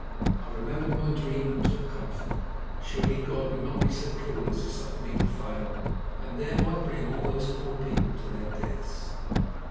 I remembered my dream and took comfort. Surely God would not be so cruel as to suffer me to fail and thereby bring all those poor people to their deaths.